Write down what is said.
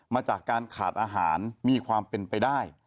มาจากการขาดอาหารมีความเป็นไปได้